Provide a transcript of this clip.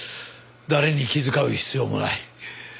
誰に気遣う必要もない。